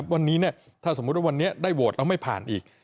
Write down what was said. วันนี้ถ้าสมมุติว่าวันนี้ได้โหวตแล้วไม่ผ่านอีก